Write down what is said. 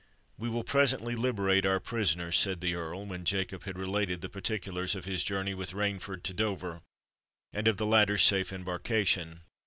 "We will presently liberate our prisoners," said the Earl, when Jacob had related the particulars of his journey with Rainford to Dover, and of the latter's safe embarkation.